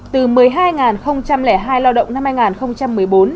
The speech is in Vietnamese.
từ một mươi hai hai lao động năm hai nghìn một mươi bốn